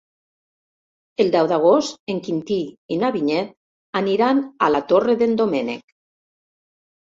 El deu d'agost en Quintí i na Vinyet aniran a la Torre d'en Doménec.